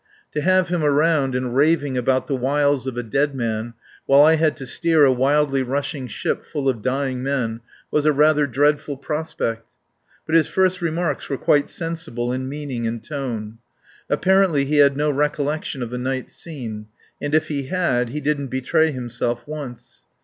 To have him around and raving about the wiles of a dead man while I had to steer a wildly rushing ship full of dying men was a rather dreadful prospect. But his first remarks were quite sensible in meaning and tone. Apparently he had no recollection of the night scene. And if he had he didn't betray himself once.